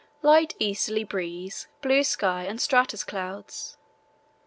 Light easterly breeze, blue sky, and stratus clouds.